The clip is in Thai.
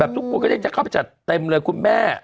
ทุกคนก็ได้จะเข้าไปจัดเต็มเลยคุณแม่